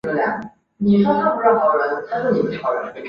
圣费利德帕利埃。